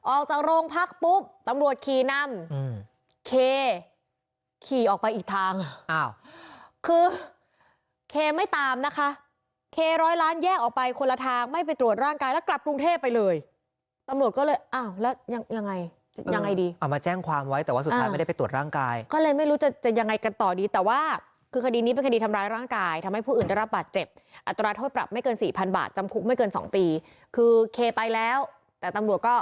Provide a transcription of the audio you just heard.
ออกจากโรงพักปุ๊บตำรวจขี่นำเคร้อยล้านอย่างอื่นออกจากโรงพักปุ๊บตำรวจขี่นำเคร้อยล้านอย่างอื่นตำรวจขี่นำเคร้อยล้านอย่างอื่นตำรวจขี่นำเคร้อยล้านอย่างอื่นตำรวจขี่นำเคร้อยล้านอย่างอื่นตำรวจขี่นำเคร้อยล้านอย่างอื่นตำรวจขี่นำเคร้อยล้านอย่างอื่นตำรวจขี่นำเคร้อยล้านอย่างอื่น